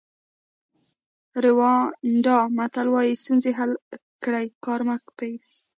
ریوانډا متل وایي ستونزې حل کړئ کار مه پریږدئ.